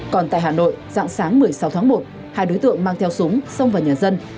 còn tại hà nội dạng sáng một mươi sáu tháng một hai đối tượng mang theo súng xông vào nhà dân